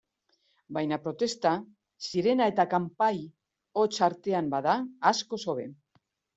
Baina protesta, sirena eta kanpai hots artean bada, askoz hobe.